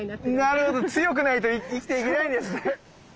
なるほど強くないと生きていけないんですね。